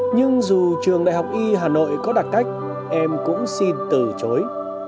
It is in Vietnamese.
nhưng dù trường đại học y hà nội có đặc cách em cũng xin từ chối